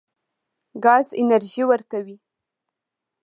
ګاز انرژي ورکوي.